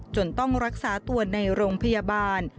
ต้องรักษาตัวในโรงพยาบาล